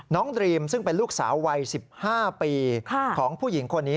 ดรีมซึ่งเป็นลูกสาววัย๑๕ปีของผู้หญิงคนนี้